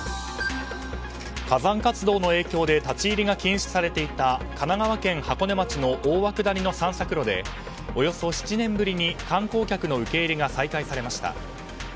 火山活動の影響で立ち入りが禁止されていた神奈川県箱根町の大涌谷の散策路でおよそ７年ぶりに観光客受入れが再開されました。